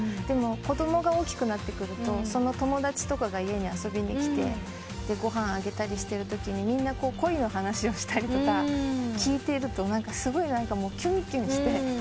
でも子供が大きくなってくるとその友達とかが家に遊びに来てご飯あげたりしてるときにみんな恋の話をしたりとか聞いてるとすごいきゅんきゅんして。